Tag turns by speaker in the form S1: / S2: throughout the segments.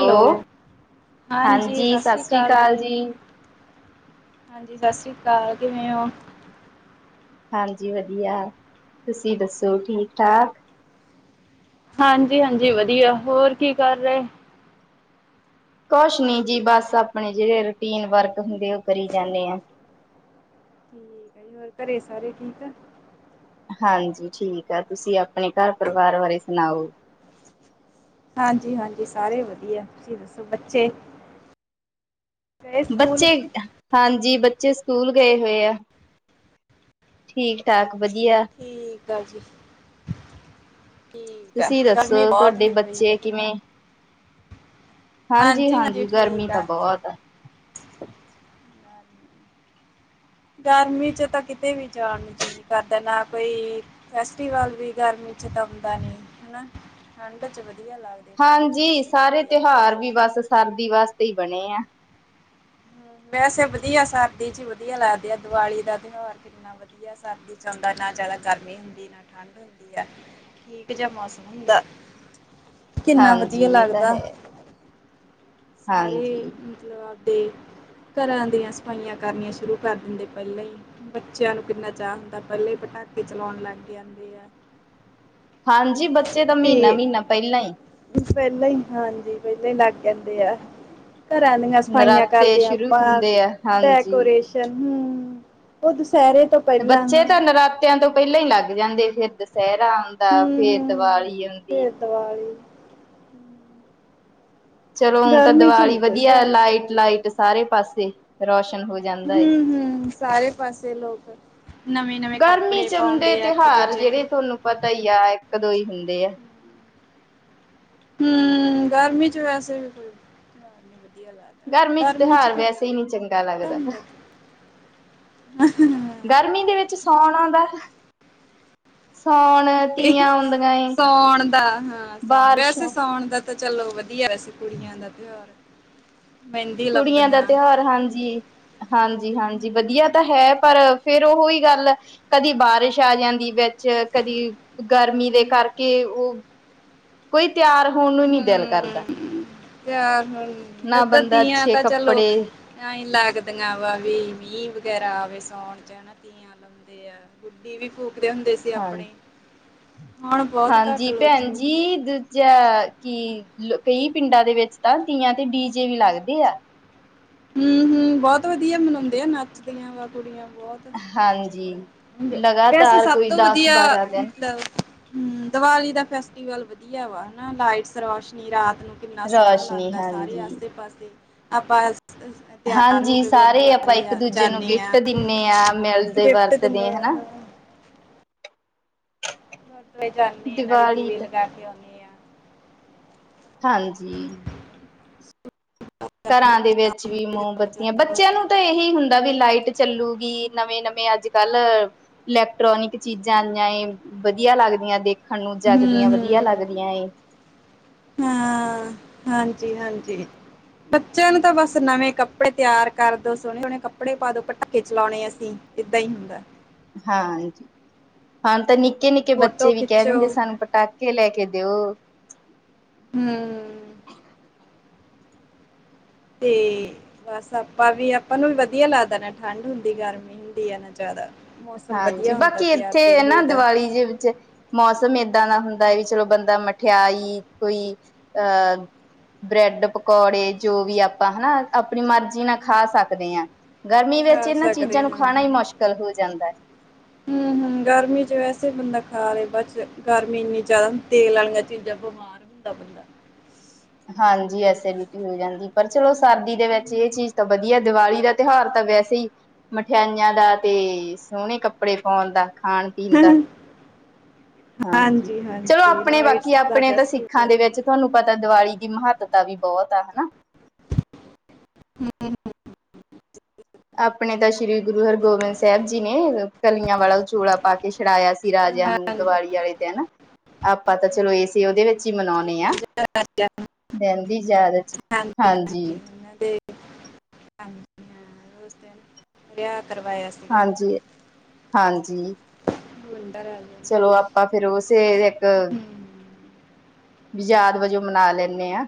S1: Hello, ਹਾਂਜੀ ਸਤਿ ਸ਼੍ਰੀ ਅਕਾਲ ਜੀ। ਹਾਂਜੀ ਸਤਿ ਸ੍ਰੀ ਅਕਾਲ ਕਿਵੇਂ ਹੋ? ‌
S2: ਹਾਂਜੀ ਵਧੀਆ, ਤੁਸੀਂ ਦੱਸੋ ਠੀਕ ਠਾਕ।
S1: ਹਾਂਜੀ ਹਾਂਜੀ ਵਧੀਆ, ਹੋਰ ਕੀ ਕਰ ਰਹੇ।
S2: ਕੁਛ ਨੀ ਜੀ, ਬਸ ਆਪਣੇ ਜਿਹੜੇ ਰੂਟੀਨ ਵਰਕ ਹੁੰਦੇ, ਉਹ ਕਰੀ ਜਾਂਦੇ ਆ।
S1: ਠੀਕ ਆ ਜੀ, ਹੋਰ ਘਰੇ ਸਾਰੇ ਠੀਕ ਆ।
S2: ਹਾਂਜੀ ਠੀਕ ਆ, ਤੁਸੀਂ ਆਪਣੇ ਘਰ ਪਰਿਵਾਰ ਬਾਰੇ ਸੁਣਾਓ।
S1: ਹਾਂਜੀ ਹਾਂਜੀ, ਸਾਰੇ ਵਧੀਆ ਤੁਸੀਂ ਦੱਸੋ, ਬੱਚੇ? ਗਏ ਸਕੂਲ?
S2: ਬੱਚੇ ਹਾਂਜੀ ਬੱਚੇ ਸਕੂਲ ਗਏ ਹੋਏ ਆ, ਠੀਕ ਠਾਕ ਵਧੀਆ।
S1: ਠੀਕ ਆ ਜੀ, ਠੀਕ ਆ,
S2: ਤੁਸੀਂ
S1: ਗਰਮੀ
S2: ਦੱਸੋ
S1: ਬਹੁਤ
S2: ਤੁਹਾਡੇ
S1: ਹੋਈ ਪਈ ਆ।
S2: ਬੱਚੇ ਕਿਵੇਂ ਹਾਂਜੀ
S1: ਹਾਂਜੀ-ਹਾਂਜੀ
S2: ਹਾਂਜੀ, ਗਰਮੀ
S1: ਠੀਕ
S2: ਤਾਂ
S1: ਆ।
S2: ਬਹੁਤ ਹੈ।
S1: ਗਰਮੀ ਚ ਤਾਂ ਕਿੱਤੇ ਵੀ ਜਾਣ ਨੂੰ ਜੀਹ ਜੀ ਕਰਦਾ, ਨਾ ਕੋਈ ਫੈਸਟੀਵਲ ਵੀ ਗਰਮੀ ਚ ਤਾਂ ਹੁੰਦਾ ਨੀ, ਹੈ ਨਾ। ਠੰਡ ਚ ਵਧੀਆ ਲੱਗਦਾ।
S2: ਹਾਂਜੀ ਸਾਰੇ ਤਿਉਹਾਰ, ਵੀ ਬਸ ਸਰਦੀ ਵਾਸਤੇ ਹੀ ਬਣੇ ਐ।
S1: ਵੈਸੇ ਵਧੀਆ, ਸਰਦੀ ਚ ਵਧੀਆ ਲੱਗਦੇ ਆ ਦੀਵਾਲੀ ਦਾ ਤਿਉਹਾਰ ਕਿੰਨਾ ਵਧੀਆ ਸਰਦੀ ਚ ਆਉਂਦਾ ਨਾ ਹੋਂਦਾ, ਨਾ ਜਾਦਾ ਗਰਮੀ ਹੁੰਦੀ ਨਾ ਠੰਡ ਹੁੰਦੀ ਹੈ, ਠੀਕ ਜਿਹਾ ਮੌਸਮ ਹੁੰਦਾ। ਕਿੰਨਾ
S2: ਹਾਂਜੀ
S1: ਵਧੀਆ
S2: ਇਹ ਤਾਂ
S1: ਲੱਗਦਾ।
S2: ਹੈ
S1: ਸਾਰੇ
S2: ਹਾਂਜੀ
S1: ਮਤਲਬ ਆਪਦੇ ਘਰਾਂ ਦੀਆਂ ਸਫਾਈਆਂ ਕਰਨੀਆਂ ਸ਼ੁਰੂ ਕਰ ਦਿੰਦੇ, ਪਹਿਲਾਂ ਹੀ। ਬੱਚਿਆਂ ਨੂੰ ਕਿੰਨਾ ਚਾਅ ਹੁੰਦਾ, ਪਹਿਲੇ ਪਟਾਕੇ ਚਲਾਉਣ ਲੱਗ ਜਾਂਦੇ ਆ।
S2: ਹਾਂਜੀ, ਬੱਚੇ ਦਾ ਮਹੀਨਾ ਮਹੀਨਾ ਪਹਿਲਾਂ ਹੀ।
S1: ਕੁਛ ਪਹਿਲਾਂ ਹੀ, ਹਾਂਜੀ ਪਹਿਲਾਂ ਹੀ ਲੱਗ ਕਹਿੰਦੇ ਆ। ਘਰਾਂ ਦੀਆਂ ਸਫਾਈਆਂ
S2: ਨਰਾਤੇ
S1: ਕਰਦੇ ਹਾਂ,
S2: ਸ਼ੁਰੂ
S1: ਆਪਾਂ
S2: ਹੁੰਦੇ ਆ ਹਾਂਜੀ।
S1: ਡੈਕੋਰੇਸ਼ਨ ਹੂ, ਉਹ ਦੁਸਹਿਰੇ ਤੋਂ ਪਹਿਲਾਂ
S2: ਬੱਚੇ
S1: ਹਾਂ
S2: ਤਾਂ ਨਰਾਤਿਆਂ ਤੋਂ ਪਹਿਲਾਂ ਹੀ ਲੱਗ ਜਾਂਦੇ, ਫਿਰ ਦਸ਼ੇਹਰਾ ਦਾ,
S1: ਹੂੰ
S2: ਫਿਰ
S1: ਹੂੰ
S2: ਦੀਵਾਲੀ ਆਉਂਦੀ।
S1: ਫੇਰ ਦੀਵਾਲੀ।
S2: ਚਲੋ ਹੁਣ ਤਾਂ
S1: ਗਰਮੀ ਚ
S2: ਦੀਵਾਲੀ
S1: ਨਹੀਂ ਕੋਈ
S2: ਵਧੀਆ,
S1: ਤਿਉਹਾਰ
S2: ਲਾਈਟ ਲਾਈਟ ਸਾਰੇ ਪਾਸੇ ਰੋਸ਼ਨ ਹੋ ਜਾਂਦਾ।
S1: ਹੂ
S2: ਏ।
S1: ਹੂ ਸਾਰੇ ਪਾਸੇ ਲੋਕ ਨਵੇਂ ਨਵੇਂ
S2: ਗਰਮੀ
S1: ਕੱਪੜੇ
S2: ਚ ਆਉਂਦੇ
S1: ਪਾਉਂਦੇ ਆ, ਇੱਕ
S2: ਤਿਉਹਾਰ
S1: ਦੂਜੇ ਨੂੰ।
S2: ਜਿਹੜੇ ਤੁਹਾਨੂੰ ਪਤਾ ਹੀ ਆ, ਇੱਕ ਦੋ ਹੀ ਹੁੰਦੇ ਆ।
S1: ਹੂ, ਗਰਮੀ ਚ ਵੈਸੇ ਵੀ ਕੋਈ ਵਧੀਆ
S2: ਗਰਮੀ ਚ ਤਿਉਹਾਰ ਵੈਸੇ ਹੀ ਨਹੀਂ ਚੰਗਾ ਲੱਗਦਾ।
S1: ਅ ਅ ਹੂ
S2: ਗਰਮੀ ਦੇ ਵਿੱਚ, ਸਉਣ ਆਉਂਦਾ। ਸਾਉਣ ਤੀਆਂ ਆਉਂਦੀਆਂ ਏ
S1: ਸਉਣ ਦਾ ਹਾਂ,
S2: ਬਾਰਿਸ਼
S1: ਵੈਸੇ ਸਉਣ ਦਾ ਤੇ ਚਲੋ ਵਧੀਆ, ਵੈ ਸੇ ਕੁੜੀਆਂ ਦਾ ਤਿਉਹਾਰ। ਮਹਿੰਦੀ
S2: ਕੁੜੀਆਂ ਦਾ
S1: ਲਾਉਂਦੀਆਂ
S2: ਤਿਉਹਾਰ, ਹਾਂਜੀ। ਹਾਂਜੀ- ਹਾਂਜੀ, ਵਧੀਆ ਤਾਂ ਹੈ। ਪਰ ਫੇਰ ਉਹ ਹੀ, ਗੱਲ ਏ। ਕਦੀ ਬਾਰਿਸ਼ ਆ ਜਾਂਦੀ ਵਿੱਚ, ਕਦੀ ਗਰਮੀ ਦੇ ਕਰਕੇ, ਉਹ। ਕੋਈ ਤਿਆਰ, ਹੋਣ ਨੂੰ ਨੀ, ਦਿਲ ਕਰਦਾ।
S1: ਤਿਆਰ ਹੋਓਗੀ।
S2: ਨਾ
S1: ਓਦਾਂ
S2: ਬੰਦਾ
S1: ਤੀਆਂ
S2: ਅੱਛੇ
S1: ਤਾਂ ਚਲੋ।
S2: ਕੱਪੜੇ
S1: ਤਾਂਹੀ ਲੱਗਦੀਆਂ ਵਾ, ਵੀ। ਮੀਂਹ ਵਗੈਰਾ ਆਵੇ ਸੌਣ ਚ ਤੀਆਂ। ਲਾਦੇ ਆ। ਗੁੱਡੀ ਵੀ ਫੂਕਦੇ, ਹੁੰਦੇ ਸੀ,
S2: ਹਾਂਜੀ
S1: ਆਪਣੇ। ਹੁਣ ਬਹੁਤ, ਘੱਟ ਲੋਕੀ
S2: ਈਦ। ਜਾਂ ਕੀ, ਕਈ ਪਿੰਡਾਂ ਦੇ ਵਿੱਚ ਤਾਂ, ਤੀਆਂ ਤੇ ਡੀ ਜੇ, ਵੀ ਲੱਗਦੇ ਆ।
S1: ਹੂੰ- ਹੂੰ, ਬਹੁਤ ਵਧੀਆ ਮਨਾਉਂਦੇ ਆ। ਨੱਚਦੀਆਂ ਵਾ ਕੁੜੀਆਂ
S2: ਹਾਂਜੀ
S1: ਬਹੁਤ। ਵੈਸੇ,
S2: ਲਗਾਤਾਰ
S1: ਸਭ
S2: ਕੋਈ
S1: ਤੋਂ
S2: ਦਸ
S1: ਵਧੀਆ,
S2: ਬਾਰਾਂ ਦਿਨ
S1: ਮਤਲਬ। ਹੂੰ। ਦੀਵਾਲੀ ਦਾ ਫੈਸਟੀਵਲ ਵਧੀਆ ਵਾ, ਹਨਾ। ਲਾਈਟਸ, ਸਵਾਸ਼ ਰਾਤ ਨੂੰ। ਕਿੰਨਾ ਸੋਹਣਾ,
S2: ਰੌਸ਼ਨੀ
S1: ਲੱਗਦਾ। ਸਾਰੇ
S2: ਹਾਂਜੀ
S1: ਆਸੇ- ਪਾਸੇ ਆਪਾਂ। ਤਿਆਰ ਹੋ
S2: ਹਾਂਜੀ
S1: ਕੇ,
S2: ਸਾਰੇ ਆਪਾਂ
S1: ਗੁਰਦੁਆਰੇ
S2: ਇੱਕ ਦੂਜੇ ਨੂੰ
S1: ਜਾਂਦੇ ਹਾਂ।
S2: ਗਿਫਟ ਦਿੰਨੇ ਆ ਮਿਲਦੇ
S1: ਗਿਫਟ
S2: ਵਰਤਦੇ ਆ
S1: ਦਿੰਦੇ
S2: ਹਨਾ।
S1: ਹਾਂ। ਜਾਂਦੇ ਆ ਨਾਲੇ,
S2: ਦੀਵਾਲੀ
S1: ਦੀਵੇ
S2: ਤੇ
S1: ਲਗਾ ਕੇ ਆਉਂਨੇ।
S2: ਹਾਂਜੀ। ਘਰਾਂ ਦੇ ਵਿੱਚ ਵੀ, ਮੋਮਬੱਤੀਆਂ। ਬੱਚਿਆਂ ਨੂੰ ਤਾਂ, ਇਹੀ ਹੁੰਦਾ ਵੀ, ਲਾਈਟ ਚੱਲੂਗੀ। ਨਵੇਂ- ਨਵੇਂ ਅੱਜ ਕੱਲ ਇਲੈਕਟ੍ਰੋਨਿਕ, ਚੀਜ਼ਾਂ ਆਈਆਂ ਏ। ਵਧੀਆ ਲੱਗਦੀਆਂ ਦੇਖ ਨੂੰ ਜਗਦੀਆਂ,
S1: ਹਮ
S2: ਵਧੀਆ
S1: ਹਮ
S2: ਲੱਗਦੀਆਂ ਏ।
S1: ਹਾਂ। ਹਾਂਜੀ- ਹਾਂਜੀ। ਬੱਚਿਆਂ ਨੂੰ ਤਾਂ ਬਸ, ਨਵੇਂ ਕੱਪੜੇ ਤਿਆਰ ਕਰਦੋ। ਸੋਹਣੇ- ਸੋਹਣੇ, ਕੱਪੜੇ ਪਾ ਦੋ। ਪਟਾਕੇ ਚਲਾਉਣੇ ਅਸੀਂ। ਏਦਾਂ ਹੀ, ਹੁੰਦਾ।
S2: ਹਾਂਜੀ। ਹੁਣ ਤਾਂ ਨਿੱਕੇ- ਨਿੱਕੇ,
S1: ਫੋਟੋ
S2: ਬੱਚੇ ਵੀ ਕਹਿ ਦਿੰਦੇ,
S1: ਖਿੱਚੋ
S2: ਸਾਨੂੰ ਪਟਾਕੇ ਕੇ, ਲੈ ਕੇ ਦੇਊ।
S1: ਹੂੰ। ਤੇ ਬਸ ਆਪਾਂ ਵੀ, ਆਪਾਂ ਨੂੰ ਵੀ ਵਧੀਆ ਲੱਗਦਾ। ਨਾ ਠੰਡ ਹੁੰਦੀ, ਗਰਮੀ ਹੁੰਦੀ ਆ, ਨਾ ਜ਼ਿਆਦਾ। ਮੌਸਮ
S2: ਹਾਂਜੀ।
S1: ਵਧੀਆ ਹੁੰਦਾ
S2: ਬਾਕੀ
S1: ਤਿਆਰ ਤਿਰ
S2: ਇੱਥੇ ਨਾ,
S1: ਹੋਈ ਦਾ
S2: ਦੀਵਾਲੀ ਜ ਵਿੱਚੇ। ਮੌਸਮ ਏਦਾਂ ਦਾ ਹੁੰਦਾ ਹੈ। ਵੀ ਚਲੋ ਬੰਦਾ, ਮਠਿਆਈ ਕੋਈ। ਅਹ ਬ੍ਰੈਡ ਪਕੌੜੇ, ਜੋ ਵੀ ਆਪਾਂ ਹਨਾ, ਆਪਣੀ ਮਰਜੀ ਨਾਲ ਖਾ ਸਕਦੇ ਹਾਂ। ਗਰਮੀ ਵਿੱਚ,
S1: ਖਾ
S2: ਇਹਨਾਂ ਚੀਜ਼ਾਂ ਨੂੰ, ਖਾਣਾ ਹੀ ਮੁਸ਼ਕਿਲ ਹੋ ਜਾਂਦਾ ਏ।
S1: ਹ [inaudible] ਹੂੰ-ਹੂੰ। ਗਰਮੀ ਚ ਵੈਸੇ ਬੰਦਾ ਖਾ ਲੈਂਦਾ। ਬਦ ਚ ਗਰਮੀ ਇੰਨੀ ਜ਼ਿਆਦਾ, ਤੇਲ ਲਣੀਆਂ ਚੀਜ਼ਾਂ ਬਿਮਾਰ ਹੁੰਦਾ ਬੰਦਾ।
S2: ਹਾਂਜੀ। ਐਸੀਡਿਟੀ ਹੋ ਜਾਂਦੀ, ਪਰ ਚਲੋ ਸਰਦੀ ਦੇ ਵਿੱਚ, ਇਹ ਚੀਜ਼ ਤਾਂ ਵਧੀਆ। ਦੀਵਾਲੀ ਦਾ, ਤਿਉਹਾਰ ਤਾਂ ਵੈਸੇ ਹੀ ਮਠਿਆਈਆਂ ਦਾ ਤੇ, ਸੋਹਣੇ ਕੱਪੜੇ ਪਾਉਣ ਦਾ। ਖਾਣ
S1: ਹ
S2: ਪੀਣ
S1: ਹ।
S2: ਦਾ ਹਾਂਜੀ। ਚਲੋ ਆਪਣੇ ਬਾਕੀ,
S1: ਦਾ
S2: ਆਪਣੇ ਤਾਂ ਸਿੱਖਾਂ
S1: ਫੈਸਟੀਵਲ
S2: ਦੇ ਵਿੱਚ। ਤੁਹਾਨੂੰ ਪਤਾ, ਦੀਵਾਲੀ ਦੀ, ਮਹੱਤਤਾ ਵੀ ਬਹੁਤ ਆ। ਹਨਾ।
S1: ਹੂੰ-ਹੂੰ।
S2: ਆਪਣੇ ਤਾਂ, ਸ੍ਰੀ ਗੁਰੂ ਹਰਗੋਬਿੰਦ ਸਾਹਿਬ ਜੀ, ਨੇ ਕਲੀਆਂ ਵਾਲਾ ਚੋਲਾ, ਪਾ ਕੇ ਛਡਾਇਆ ਸੀ। ਰਾਜਿਆਂ ਨੂੰ। ਦੁਬਾਲੀ ਵਾਲੇ ਦਿਨ, ਆਪਾਂ ਤਾਂ ਚਲੋ ਇਸ ਤੇ ਉਹਦੇ ਵਿੱਚ ਹੀ, ਮਨਾਉਣੇ ਆ। ਦਿਨ ਦੀਾਦਤ ਹਾਂਜੀ।
S1: ਹਾਂਜੀ। ਉਸ ਦਿਨ, ਵਿਆਹ ਕਰਵਾਇਆ। ਸੀਗਾ
S2: ਹਾਂਜੀ। ਹਾਂਜੀ।
S1: ਮੰੰਦਰ ਰਹਿ ਜਾ [unintelligible]
S2: ਚਲੋ ਆਪਾਂ ਫੇਰ ਉਸੇ ਇੱਕ ਯਾਦ ਵਜੋਂ ਮਨਾ ਲੈਂਦੇ ਹਾਂ।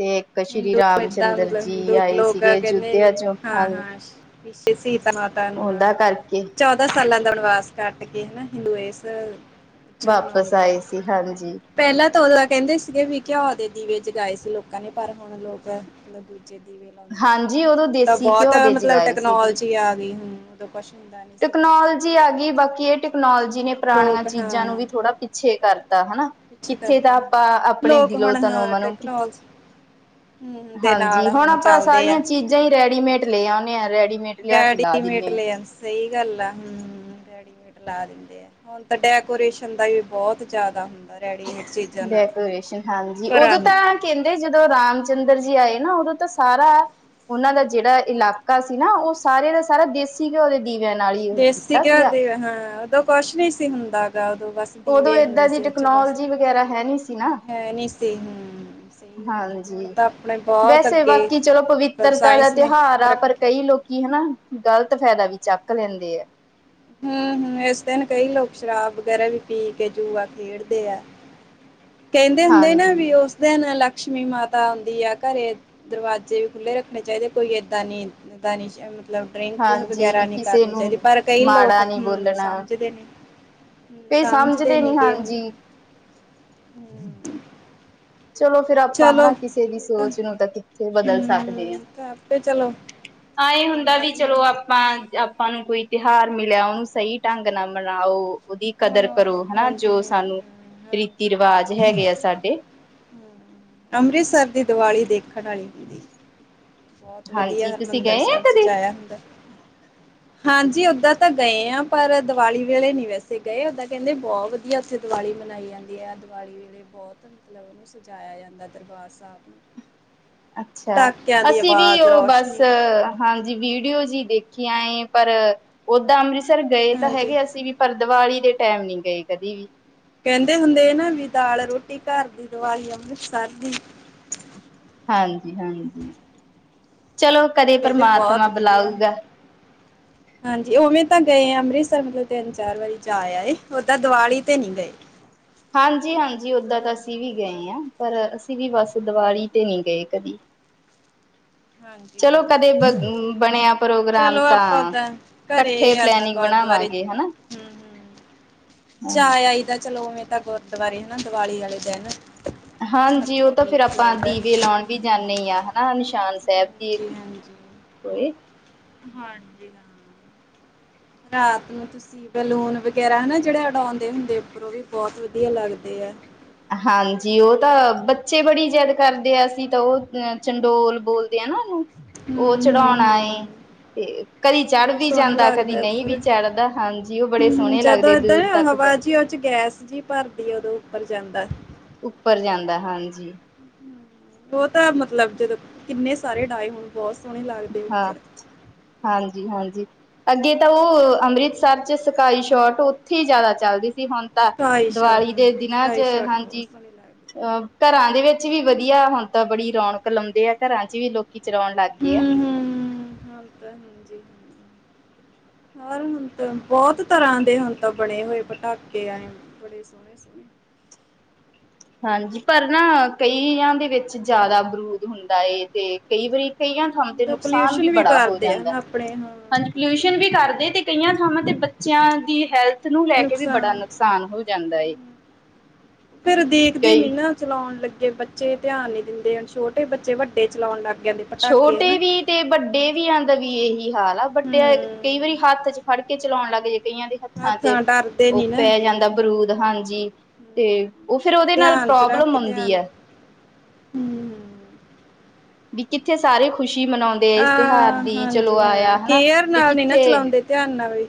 S2: ਤੇ ਸ਼੍ਰੀ
S1: ਹਿੰਦੂ
S2: ਰਾਮ
S1: ਏਦਾਂ
S2: ਚੰਦਰ
S1: ਮਤਲਬ
S2: ਜੀ
S1: ਹਿੰਦੂ
S2: ਆਏ
S1: ਲੋਕ
S2: ਸੀਗੇ ਅਯੋਧਿਆ ਚੋਂ ਹਾਂ।
S1: ਵਿੱਚੇ ਸੀਤਾ ਮਾਤਾ ਨੂੰ ਹਾਂ।
S2: ਉਹਦਾ ਕਰਕੇ
S1: ਚੌਦਾਂ ਸਾਲਾਂ ਦਾ ਬਨਵਾਸ ਕੱਟ ਕੇ ਹਨਾ ਹਿੰਦੂ ਇਸ ਚ
S2: ਵਾਪਿਸ,
S1: ਮਨਾਉਂਦੇ ਆ
S2: ਆਏ ਸੀ ਹਾਂਜੀ।
S1: ਪਹਿਲਾਂ ਤਾਂ, ਉਦੋਂ ਕਹਿੰਦੇ ਸੀਗੇ। ਵੀ ਘਿਉ ਦੇ ਦੀਵੇ, ਜਗਾਏ ਸੀ ਲੋਕਾਂ ਨੇ। ਪਰ ਹੁਣ ਲੋਕ, ਮਤਲਬ। ਦੀਵੇ ਲਾਉਦੇ ਆ
S2: ਹਾਂਜੀ ਉਦੋਂ
S1: ਹੁਣ ਤਾਂ
S2: ਦੇਸੀ
S1: ਬਹੁਤ
S2: ਘਿਓ ਦੇ
S1: ਮਤਲਬ ਬਹੁਤ
S2: ਜਗਾਏ ਸੀ
S1: ਟੈਕਨੋਲੋਜੀ ਆ ਗਈ। ਹੁਣ ਉਦੋਂ ਕੁਛ ਹੁੰਦਾ ਨੀ।
S2: ਟਕਨੋਲੋਜੀ ਆ ਗਈ ਬਾਕੀ ਇਹ ਟੈਕਨੋਲੋਜੀ ਨੇ ਪੁਰਾਣੀਆਂ
S1: ਲੋਕ ਹਾਂ
S2: ਚੀਜ਼ਾਂ ਨੂੰ ਵੀ ਥੋੜਾ ਪਿੱਛੇ ਕਰਤਾ ਹਨਾ।
S1: ਪਿੱਛੇ
S2: ਕਿੱਥੇ ਤਾਂ
S1: ਕਰਤਾ ਹਾਂ
S2: ਆਪਾਂ ਆਪਣੇ
S1: ਲੋਕ
S2: ਦਿਲੋਂ
S1: ਹੁਣ
S2: ਤਨੋ ਮਨੋ ਕਿਥ
S1: ਹਮ ਦੇ ਨਾਲ ਹੁਣ
S2: ਆਪਾਂ
S1: ਚੱਲਦੇ ਆ।
S2: ਸਾਰੀਆਂ ਚੀਜ਼ਾਂ ਹੀ ਰੈਡੀਮੇਡ ਲੈ ਆਉਂਦੇ ਹਾਂ ਰੈਡੀਮੇਡ
S1: [inaudible]
S2: ਲਿਆ ਕੇ ਲਾ ਦਿੰਦੇ ਹਾਂ
S1: ਸਹੀ ਗੱਲ ਹਮ ਰੈਡੀਮੇਡ ਲਾ ਦਿੰਦੇ ਆ ਹੁਣ ਤਾਂ ਡੈਕੋਰੇਸ਼ਨ ਦਾ ਵੀ ਬਹੁਤ ਜਿਆਦਾ ਹੁੰਦਾ ਰੈਡੀਮੇਡ ਚ
S2: ਡੈਕੋਰੇਸ਼ਨ ਹਾਂਜੀ ਉਦੋਂ ਤਾਂ ਕਹਿੰਦੇ ਜਦੋਂ ਰਾਮ ਚੰਦਰ ਜੀ ਆਏ ਨਾ ਉਦੋਂ ਤਾਂ ਸਾਰਾ ਉਹਨਾਂ ਦਾ ਜਿਹੜਾ ਇਲਾਕਾ ਸੀ ਨਾ ਉਹ ਸਾਰੇ ਦਾ ਸਾਰਾ। ਦੇਸੀ ਘਿਓ ਦੇ ਦੀਵਿਆਂ ਨਾਲ ਹੀ ਉਹ
S1: ਦੇਸੀ
S2: ਕੀਤਾ
S1: ਘਿਓ ਦੇ
S2: ਸੀਗਾ
S1: ਦੀਵੇ ਹਾਂ ਉਦੋਂ ਕੁਛ ਨਹੀਂ ਸੀ ਹੁੰਦਾ ਹੈਗਾ ਉਦੋਂ ਬਸ
S2: ਉਦੋਂ
S1: ਦੀਵੇ ਹੁੰਦੇ
S2: ਏਦਾਂ ਦੀ
S1: ਸੀ ਉਹ ਚ ਬਸ
S2: ਟੈਕਨੋਲੋਜੀ ਵਗੈਰਾ ਹੈ ਨੀ ਸੀ ਨਾ
S1: ਹੈ ਨਹੀਂ ਸੀ ਹੂੰ ਸਹੀ ਗੱਲ ਆ ਹੁਣ
S2: ਹਾਂਜੀ
S1: ਤਾਂ ਆਪਣੇ ਬਹੁਤ
S2: ਵੈਸੇ
S1: ਅੱਗੇ
S2: ਬਾਕੀ ਚਲੋ
S1: ਮਤਲਬ
S2: ਪਵਿੱਤਰਤਾ ਦਾ
S1: ਸਾਇੰਸ ਨੇ
S2: ਤਿਉਹਾਰ ਆ
S1: ਤਰੱਕੀ
S2: ਪਰ ਕਈ ਲੋਕੀ ਹਨਾ ਗ਼ਲਤ ਫਾਇਦਾ ਵੀ ਚੱਕ ਲੈਂਦੇ ਆ।
S1: ਹਮ ਹਮ ਇਸ ਦਿਨ ਕਈ ਲੋਕ ਸ਼ਰਾਬ ਵਗ਼ੈਰਾ ਵੀ ਪੀ ਕੇ ਜੂਆ ਖੇਡਦੇ ਆ। ਕਹਿੰਦੇ ਹੁੰਦੇ ਨਾ
S2: ਹਾਂਜੀ
S1: ਵੀ ਉਸ ਦਿਨ ਲਕਸ਼ਮੀ ਮਾਤਾ ਆਉਂਦੀ ਆ ਘਰੇ। ਦਰਵਾਜੇ ਵੀ ਖੁੱਲ੍ਹੇ ਰੱਖਣੇ ਚਾਹੀਦੇ। ਕੋਈ ਏਦਾਂ ਨੀ ਇਦਾਂ ਨੀ। ਮਤਲਬ ਡਰਿੰਕ
S2: ਹਾਂਜੀ
S1: ਵਗੈਰਾ
S2: ਵੀ
S1: ਨਹੀਂ
S2: ਕਿਸੇ
S1: ਕਰਨੀ
S2: ਨੂੰ
S1: ਚਾਹੀਦੀ ਪਰ ਕਈ ਲੋਕ
S2: ਮਾੜਾ ਨੀ
S1: ਹਮ
S2: ਬੋਲਣਾ
S1: ਸਮਝਦੇ ਨਹੀ। ਸਮਝਦੇ ਨੀ ਗੇ ਹੁਣ। ਹਮ
S2: ਚਲੋ ਫਿਰ ਆਪਾਂ ਹਨਾ, ਕਿਸੇ ਦੀ ਸੋਚ ਨੂੰ ਤਾਂ ਕਿੱਥੇ ਬਦਲ ਸਕਦੇ ਹਾਂ।
S1: ਹਮ ਤਾਂ ਆਪੇ ਚਲੋ
S2: ਹਾਂ ਇਹ ਹੁੰਦਾ ਵੀ
S1: ਪਰਮਾਤਮਾ
S2: ਚਲੋ
S1: ਹਨਾ
S2: ਆਪਾਂ ਆਪਾਂ ਨੂੰ ਕੋਈ ਤਿਉਹਾਰ ਮਿਲਿਆ ਉਹਨੂੰ ਸਹੀ ਢੰਗ ਨਾਲ ਮਨਾਓ। ਉਹਦੀ ਕਦਰ ਕਰੋ।
S1: ਮਨਾਉਣਾ
S2: ਹਨਾ
S1: ਹਾਂਜੀ
S2: ਜੋ
S1: ਹਾਂਜੀ
S2: ਸਾਨੂੰ
S1: ਹਾਂ ਹਾਂਜੀ
S2: ਰੀਤੀ ਰਿਵਾਜ਼ ਹੈਗੇ ਆ ਸਾਡੇ।
S1: ਅੰਮ੍ਰਿਤਸਰ ਦੀ ਦੀਵਾਲੀ ਦੇਖਣ ਵਾਲੀ ਹੁੰਦੀ। ਬਹੁਤ ਵਧੀਆ
S2: ਹਾਂਜੀ ਤੁਸੀਂ
S1: ਹਰਿਮੰਦਰ
S2: ਗਏ ਆ
S1: ਸਾਹਿਬ
S2: ਕਦੇ
S1: ਸਜਾਇਆ ਹੁੰਦਾ। ਹਾਂਜੀ ਓਦਾਂ ਤਾਂ ਗਏ ਆ ਪਰ ਦੀਵਾਲੀ ਵੇਲੇ ਨੀ ਵੈਸੇ ਉਥੇ ਗਏ ਓਦਾਂ ਕਹਿੰਦੇ ਬਹੁਤ ਵਧੀਆ ਉੱਥੇ ਦੀਵਾਲੀ ਮਨਾਈ ਜਾਂਦੀ ਹੈ। ਦੀਵਾਲੀ ਵੇਲੇ ਬਹੁਤ ਮਤਲਬ ਉਹਨੂੰ ਸਜਾਇਆ ਜਾਂਦਾ। ਦਰਬਾਰ ਸਾਹਿਬ ਨੂੰ
S2: ਅੱਛਾ,
S1: ਪਟਾਕਿਆਂ ਦੀ
S2: ਅਸੀਂ ਵੀ
S1: ਆਵਾਜ਼
S2: ਉਹ ਬਸ।
S1: ਰੌਸ਼ਨੀ
S2: ਹਾਂਜੀ ਵੀਡੀਓ ਜੀ ਦੇਖੀਆਂ ਏ ਪਰ ਓਦਾਂ ਅੰਮ੍ਰਿਤਸਰ ਗਏ ਤਾਂ
S1: ਹਾਂਜੀ
S2: ਹੈਗੇ ਅਸੀਂ ਵੀ ਪਰ ਦੀਵਾਲੀ ਦੇ ਟਾਈਮ ਨੀ ਗਏ ਕਦੀ ਵੀ
S1: ਕਹਿੰਦੇ ਹੁੰਦੇ ਨਾ ਵੀ ਦਾਲ ਰੋਟੀ ਘਰ ਦੀ ਦਿਵਾਲੀ ਅੰਮ੍ਰਿਤਸਰ ਦੀ।
S2: ਹਾਂਜੀ, ਹਾਂਜੀ ਚਲੋ ਕਦੇ
S1: ਕਹਿੰਦੇ
S2: ਪਰਮਾਤਮਾ ਬੁਲਾਊਗਾ।
S1: ਹ ਹਾਂਜੀ ਉਵੇਂ ਤਾਂ ਗਏ ਆ। ਅੰਮ੍ਰਿਤਸਰ ਮਤਲਬ ਤਿੰਨ ਚਾਰ ਵਾਰੀ ਜਾ ਆਏ। ਓਦਾਂ ਦੀਵਾਲੀ ਤੇ ਨਹੀਂ ਗਏ।
S2: ਹਾਂਜੀ, ਹਾਂਜੀ ਓਦਾਂ ਤਾਂ ਅਸੀਂ ਵੀ ਗਏ ਹਾਂ। ਪਰ ਅਸੀਂ ਵੀ ਬਸ ਦੀਵਾਲੀ ਤੇ ਨਹੀਂ ਗਏ ਕਦੀ।
S1: ਹਾਂਜੀ
S2: ਚਲੋ, ਕਦੇ
S1: ਹਾਂਜੀ
S2: ਬਣਿਆ ਪ੍ਰੋਗਰਾਮ
S1: ਚਲੋ ਆਪਾਂ
S2: ਤਾਂ
S1: ਓਦਾਂ ਘਰੇ
S2: ਇਕੱਠੇ
S1: ਏਦਾਂ
S2: ਪਲੈਨਿੰਗ
S1: ਗੁਰਦੁਆਰੇ
S2: ਬਣਾਵਾਂਗੇ। ਹਨਾ
S1: ਹਮ ਹਮ ਜਾ
S2: ਹਾਂਜੀ
S1: ਆਈਦਾ ਚਲੋ ਉਵੇਂ ਤਾਂ ਗੁਰਦੁਆਰੇ ਨਾ ਦੀਵਾਲੀ ਵਾਲੇ ਦਿਨ।
S2: ਹਾਂਜੀ, ਉਹ
S1: ਮੱਥਾ
S2: ਤਾਂ ਫਿਰ
S1: ਟੇਕ ਕੇ
S2: ਆਪਾਂ
S1: ਆਈਦਾ
S2: ਦੀਵੇ ਲਾਉਣ ਵੀ ਜਾਂਦੇ ਹਾਂ ਹਨਾ ਨਿਸ਼ਾਨ ਸਾਹਿਬ। ਦੀ
S1: ਹਾਂਜੀ, ਹਾਂਜੀ, ਹਾਂਜੀ,
S2: ਹੋਏ
S1: ਇਹ ਹਾਂਜੀ। ਰਾਤ ਨੂੰ ਤੁਸੀਂ ਬੈਲੂਨ ਵਗੈਰਾ ਹਨਾ ਜਿਹੜੇ ਉਡਾਉਂਦੇ ਹੁੰਦੇ ਉੱਪਰ ਉਹ ਵੀ ਬਹੁਤ ਵਧੀਆ ਲੱਗਦੇ ਆ
S2: ਹਾਂਜੀ ਉਹ ਤਾਂ ਬੱਚੇ ਬੜੀ ਜਿੱਦ ਕਰਦੇ ਆ ਅਸੀਂ ਤਾਂ ਉਹ ਅਹ ਚੰਡੋਲ ਬੋਲਦੇ ਹ ਨਾ ਉਹਨੂੰ ਉਹ
S1: ਹਮ ਹਮ
S2: ਚੜਾਉਣਾ
S1: ਹਮ
S2: ਏ ਤੇ ਕਦੀ ਚੜ
S1: ਬਹੁਤ
S2: ਵੀ
S1: ਸੋਹਣਾ
S2: ਜਾਂਦਾ ਕਦੀ
S1: ਲੱਗਦਾ
S2: ਨਹੀਂ
S1: ਉੱਪਰ
S2: ਵੀ ਚੜਦਾ ਹਾਂਜੀ ਉਹ ਬੜੇ
S1: ਹਮ
S2: ਸੋਹਣੇ
S1: ਜਦੋਂ
S2: ਲੱਗਦੇ
S1: ਏਦਾਂ
S2: ਦੂਰ ਤੱਕ ਜਾ
S1: ਹਵਾ ਜੀ ਉਹ ਗੈਸ ਜੀ ਭਰਦੀ ਉਦੋਂ ਉੱਪਰ ਜਾਂਦਾ।
S2: ਉੱਪਰ ਜਾਂਦਾ ਹਾਂਜੀ।
S1: ਉਹ ਤਾਂ ਮਤਲਬ ਜਦੋਂ ਕਿੰਨੇ ਸਾਰੇ ਡਾਏ ਹੋਣ ਬਹੁਤ ਸੋਹਣੇ ਲੱਗਦੇ
S2: ਹਾਂ
S1: ਉੱਪਰ।
S2: ਹਾਂਜੀ ਹਾਂਜੀ ਅੱਗੇ ਤਾਂ ਉਹ ਅੰਮ੍ਰਿਤਸਰ ਚ ਸਕਾਈ ਸ਼ੋਟ ਉੱਥੇ ਹੀ ਜ਼ਿਆਦਾ ਚਲਦੀ ਸੀ ਹੁਣ ਤਾਂ
S1: ਸਕਾਈ ਸ਼ਾਟ
S2: ਦੀਵਾਲੀ ਦੇ
S1: ਹਾਂ
S2: ਦਿਨਾਂ
S1: ਸਕਾਈ
S2: ਚ
S1: ਸ਼ਾਟ ਬਹੁਤ
S2: ਹਾਂਜੀ
S1: ਸੋਹਣੇ ਲੱਗਦੇ
S2: ਅਹ ਘਰਾਂ ਦੇ ਵਿੱਚ ਵੀ ਵਧੀਆ ਹੁਣ ਤਾਂ ਬੜੀ ਰੌਣਕ ਲਾਉਂਦੇ ਆ ਘਰਾਂ ਚ ਵੀ ਲੋਕੀ ਚਲਾਉਣ ਲੱਗ ਗਈ
S1: ਹੂੰ ਹੂੰ [inaudible] ਹੋਰ ਹੁਣ ਤਾਂ ਬਹੁਤ ਤਰ੍ਹਾਂ ਦੇ ਹੁਣ ਤਾਂ ਬਣੇ ਹੋਏ ਪਟਾਕੇ ਆਏ [unintelligible]
S2: ਹਾਂਜੀ ਪਰ ਨਾ ਕਈਆਂ ਦੇ ਵਿੱਚ ਜ਼ਿਆਦਾ ਬਰੂਦ ਹੁੰਦਾ ਤੇ ਕਈ ਵਾਰੀ ਕਈਆਂ ਥਾਵਾਂ ਤੇ
S1: ਤਾਂ
S2: ਨੁਕਸਾਨ ਵੀ
S1: ਪੋਲਿਊਸ਼ਨ
S2: ਬੜਾ ਹੋ
S1: ਕਰਦੇ ਆ
S2: ਜਾਂਦਾ
S1: ਨਾ ਆਪਣੇ ਹਾਂ
S2: ਹਾਂਜੀ ਪੋਲਿਊਸ਼ਨ ਵੀ ਕਰਦੇ ਤੇ ਕਈਆਂ ਥਾਵਾਂ ਤੇ ਬੱਚਿਆਂ ਦੀ ਹੈਲਥ ਨੂੰ ਲੈ ਕੇ ਵੀ ਬੜਾ ਨੁਕ
S1: ਨੁਕਸਾਨ।
S2: ਨੂਕਸਾਨ ਹੋ ਜਾਂਦਾ ਏ
S1: ਫੇਰ ਦੇਖਦੇ ਨੀ
S2: ਕਈ
S1: ਨਾ ਚਲਾਉਣ ਲੱਗੇ ਬੱਚੇ ਧਿਆਨ ਨੀ ਦਿੰਦੇ ਨ ਛੋਟੇ ਬੱਚੇ ਵੱਡੇ ਚਲਾਉਣ ਲੱਗ ਜਾਂਦੇ ਪਟਾਕੇ
S2: ਛੋਟੇ
S1: ਹਨਾ
S2: ਵੀ ਤੇ ਵੱਡੇ ਵੀ ਦਾ ਵੀ ਇਹੀ ਹਾਲ ਆ ਵੱਡੇ
S1: ਹੂੰ।
S2: ਕਈ ਵਾਰੀ ਹੱਥ ਚ ਫੜ ਕੇ ਚਲਾਉਣ ਲੱਗ ਜਏ ਕਈਆਂ ਦੇ ਹੱਥਾਂ ਚ
S1: ਡਰਦੇ ਨੀ
S2: ਉਹ
S1: ਨਾ।
S2: ਪੈ ਜਾਂਦਾ ਬਰੂਦ ਹਾਂਜੀ ਤੇ ਉਹ ਫੇਰ ਉਹਦੇ ਨਾਲ
S1: ਧਿਆਨ ਚ ਰੱਖ
S2: ਪ੍ਰੋਬਲਮ
S1: ਕੇ
S2: ਆਉਂਦੀ
S1: ਧਿਆਨ
S2: ਐ
S1: ਹੂੰ।
S2: ਵੀ ਕਿੱਥੇ ਸਾਰੇ ਖੁਸ਼ੀ ਮਨਾਉਂਦੇ ਆ ਇਸ ਤਿਉਹਾਰ
S1: ਆਹ
S2: ਦੀ ਚਲੋ
S1: ਹਾਂਜੀ
S2: ਆਇਆ
S1: ਹਾਂ
S2: ਹਨਾ
S1: ਕੇਅਰ
S2: ਤੇ
S1: ਨਾਲ ਨੀ ਨਾ
S2: ਕਿੱਥੇ
S1: ਚਲਾਉਂਦੇ ਧਿਆਨ ਨਾਲ ਵੀ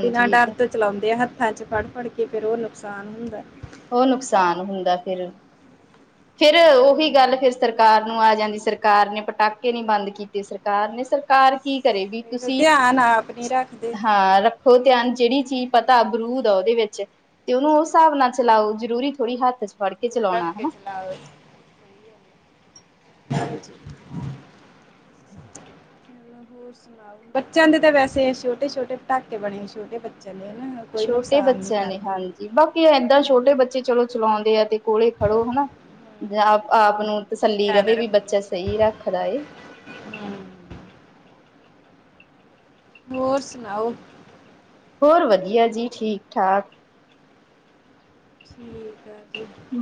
S1: ਬਿਨਾਂ
S2: ਇਹ
S1: ਡਰ
S2: ਤਾਂ
S1: ਤੋਂ ਚਲਾਉਂਦੇ ਆੱ ਹੱਥਾਂ ਚ ਫੜ ਫੜ ਕੇ ਫੇਰ ਉਹ ਨੁਕਸਾਨ ਹੁੰਦਾ
S2: ਉਹ ਨੁਕਸਾਨ ਹੁੰਦਾ ਫਿਰ ਫੇਰ ਉਹੀ ਗੱਲ ਫਿਰ ਸਰਕਾਰ ਨੂੰ ਆ ਜਾਂਦੀ ਸਰਕਾਰ ਨੇ ਪਟਾਕੇ ਨੀ ਬੰਦ ਕੀਤੇ ਸਰ ਸਰਕਾਰ ਨੇ ਸਰਕਾਰ ਕੀ ਕਰੇ ਗੀ
S1: ਸਹੀ
S2: ਤੁਸੀਂ
S1: ਧਿਆਨ ਆਪ ਨੀ ਰੱਖਦੇ।
S2: ਹਾਂ ਹੋ ਧਿਆਨ ਜਿਹੜੀ ਚੀਜ਼ ਪਤਾ ਬਰੂਦ ਆ ਉਹਦੇ ਵਿੱਚ ਤੇ ਉਹਨੂੰ ਉਸ ਹਿਸਾਬ ਨਾਲ ਚਲਾਓ ਜਰੂਰੀ ਥੋੜ੍ਹੀ ਹੱਥ ਚ ਫੜ ਕੇ
S1: ਦੂਰ ਰੱਖ
S2: ਚਲਾਉਣਾ
S1: ਕੇ
S2: ਹਨਾ
S1: ਚਲਾਓ। ਹੋਰ [inaudible] ਬੱਚਿਆਂ ਦੇ ਤਾਂ ਵੈਸੇ ਛੋਟੇ ਛੋਟੇ ਪਟਾਕੇ ਬਣੇ ਛੋਟੇ ਬੱਚਿਆਂ ਦੇ ਹਨਾ ਕੋਈ
S2: ਛੋਟੇ
S1: ਨੁਕਸਾਨ ਨਹੀਂ
S2: ਬੱਚਿਆਂ ਨੇ
S1: ਕਰਦੇ।
S2: ਹਾਂਜੀ ਬਾਕੀ ਏਦਾਂ ਛੋਟੇ ਬੱਚੇ ਚਲੋ ਚਲਾਉਂਦੇ ਆ ਤੇ ਕੋਲੇ ਖੜੋ ਹਨਾ ਜਾਂ ਆਪ ਨੂੰ ਤਸੱਲੀ
S1: ਧਿਆਨ
S2: ਰਵੇ ਵੀ
S1: ਰੱਖੋ।
S2: ਬੱਚਾ ਸਹੀ ਰੱਖਦਾ ਏ
S1: ਹੋਰ ਸੁਣਾਓ
S2: ਹੋਰ ਵਧੀਆ ਜੀ ਠੀਕ ਠਾਕ
S1: ਠੀਕ ਐ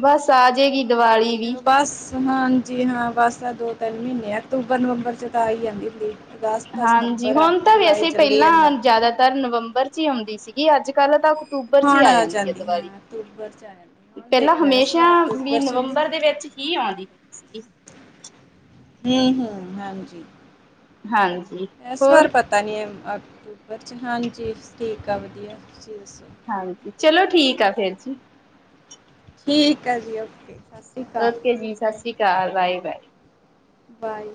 S2: ਬਸ ਆਜੇਗੀ ਦੀਵਾਲੀ ਵੀ
S1: ਬਸ ਹਾਂਜੀ ਹਾਂ ਬਸ ਤਾਂ ਦੋ ਤਿੰਨ ਮਹੀਨੇ ਅਕਤੂਬਰ ਨਵੰਬਰ 'ਚ ਤਾਂ ਆ ਹੀ ਜਾਂਦੀ ਹੁੰਦੀ ਅਗਸਤ
S2: ਹਾਂਜੀ
S1: ਸਤੰਬਰ ਆ
S2: ਹੁਣ ਤਾਂ
S1: ਜੁਲਾਈ
S2: ਵੈਸੇ
S1: ਚੱਲੀ ਜਾਂਦਾ
S2: ਪਹਿਲਾਂ ਜ਼ਿਆਦਾਤਰ ਨਵੰਬਰ ਚ ਹੀ ਆਉਂਦੀ ਸੀਗੀ ਅੱਜ ਕੱਲ੍ਹ ਤਾਂ ਅਕਤੂਬਰ ਚ ਹੀ ਆ ਜਾਂਦੀ ਐ ਦੀਵਾਲੀ
S1: [unintelligible] ਆ ਜਾਂਦੀ ਹੁਣ
S2: ਪਹਿਲਾਂ
S1: ਦੇਖੋ ਇਸ
S2: ਹਮੇਸ਼ਾ
S1: ਵਾਰ
S2: ਵੀ
S1: ਅਕਤੂਬਰ ਚ ਹੁੰਦੀ
S2: ਨਵੰਬਰ ਦੇ ਵਿੱਚ ਹੀ ਆਉਂਦੀ ਹੁੰਦੀ ਸੀਗੀ
S1: ਹੂੰ ਹੂੰ ਹਾਂਜੀ
S2: ਹਾਂਜੀ
S1: ਇਸ ਵਾਰ
S2: ਹੋਰ
S1: ਪਤਾ ਨਹੀਂ ਹੈ ਅਕਤੂਬਰ 'ਚ ਹਾਂਜੀ ਠੀਕ ਆ ਵਧੀਆ ਦੱਸੋ
S2: ਹਾਂਜੀ ਚਲੋ ਠੀਕ ਆ ਫੇਰ ਜੀ
S1: ਠੀਕ ਆ ਜੀ ਓਕੇ ਸ਼੍ਰੀ ਅਕਾਲ
S2: ਓਕੇ ਜੀ ਸਤਿ ਸ਼੍ਰੀ ਅਕਾਲ ਬਾਏ ਬਾਏ
S1: ਬਾਏ